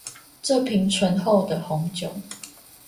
這瓶醇厚的紅酒